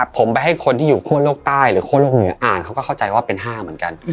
ผมไปให้คนที่อยู่คั่วโลกใต้หรือคั่วโลกเหนืออ่านเขาก็เข้าใจว่าเป็น๕เหมือนกัน